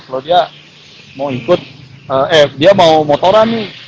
kalau dia mau ikut eh dia mau motoran nih